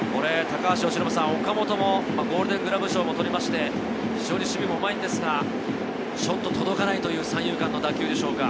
高橋由伸さん、岡本もゴールデングラブ賞も取りまして、非常に守備もうまいんですが、ちょっと届かないという三遊間の打球でしょうか。